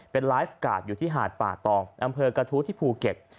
เป็นไลฟ์การ์ดอยู่ที่หาดป่าตองอำเภอกระทู้ที่ภูเก็ต